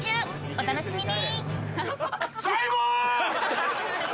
お楽しみに！